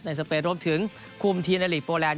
สเปนรวมถึงคุมทีมในลีกโปแลนด